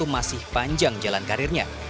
masih panjang jalan karirnya